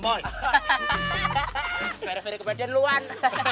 peri peri ke badan lu wan